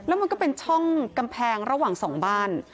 แล้วมันก็เป็นช่องกำแพงระหว่างสองบ้าน